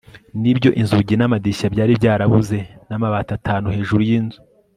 nibyo, inzugi n'amadirishya byari byarabuze n'amabati atanu hejuru yinzu